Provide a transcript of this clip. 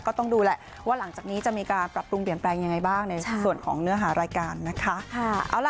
ก็ต้องดูแหละว่าหลังจากนี้จะมีการปรับปรุงเปลี่ยนแปลงยังไงบ้างในส่วนของเนื้อหารายการนะคะ